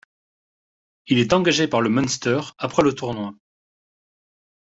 Il est engagé par le Munster après le tournoi.